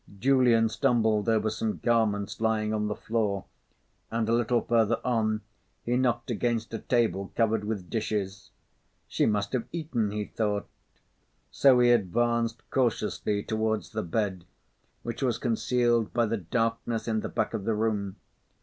Julian stumbled over some garment's lying on the floor and a little further on, he knocked against a table covered with dishes. "She must have eaten," he thought; so he advanced cautiously towards the bed which was concealed by the darkness in the back of the room.